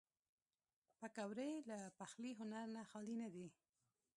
پکورې له پخلي هنر نه خالي نه دي